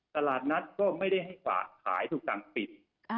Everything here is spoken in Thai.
ตลาดนัดก็ไม่ได้ให้ขายถึงกลางฝีต